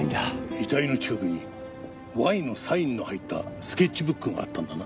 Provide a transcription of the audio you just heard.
遺体の近くに「Ｙ」のサインの入ったスケッチブックがあったんだな？